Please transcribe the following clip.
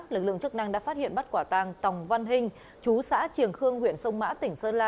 lực lượng chức năng đã phát hiện bắt quả tàng tòng văn hình chú xã triềng khương huyện sông mã tỉnh sơn la